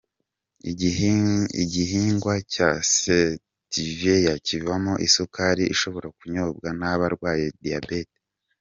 Igihingwa cya Siteviya kivamo isukari ishobora kunyobwa n’abarwaye Diyabeti.